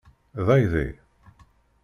D aydi?